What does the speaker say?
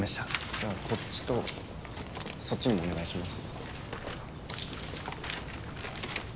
じゃあこっちとそっちにもお願いします。